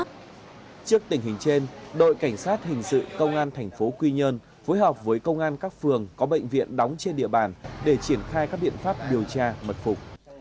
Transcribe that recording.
trước tình hình trên đội cảnh sát hình sự công an thành phố quy nhơn phối hợp với công an các phường có bệnh viện đóng trên địa bàn để triển khai các biện pháp điều tra mật phục